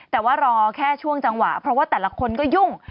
แต่ว่ารอแค่ช่วงจังหวะเพราะว่าแต่ละคนก็ยุ่ง